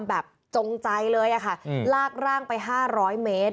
จงใจเลยค่ะลากร่างไป๕๐๐เมตร